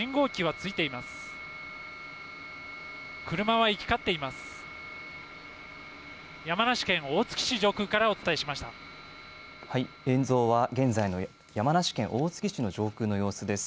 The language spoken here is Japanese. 映像は現在の山梨県大月市の上空の様子です。